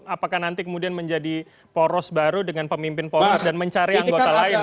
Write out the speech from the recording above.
apakah nanti kemudian menjadi poros baru dengan pemimpin poros dan mencari anggota lain